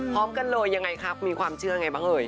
พร้อมกันเลยยังไงครับมีความเชื่อไงบ้างเอ่ย